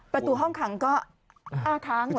ประตูห้องขังก็อ้าค้าง